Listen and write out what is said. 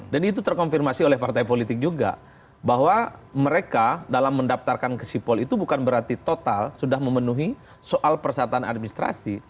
dan itu terkonfirmasi oleh partai politik juga bahwa mereka dalam mendaftarkan ke sipol itu bukan berarti total sudah memenuhi soal persyaratan administrasi